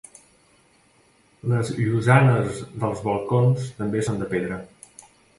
Les llosanes dels balcons també són de pedra.